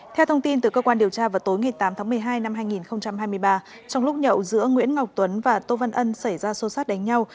theo thông tin từ cơ quan điều tra vào tối ngày tám tháng một mươi hai năm hai nghìn hai mươi ba trong lúc nhậu giữa nguyễn ngọc tuấn và tô văn ân xảy ra xô xát đánh nhau